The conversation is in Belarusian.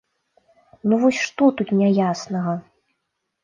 Ну вось, што тут няяснага?!